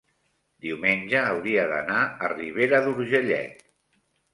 diumenge hauria d'anar a Ribera d'Urgellet.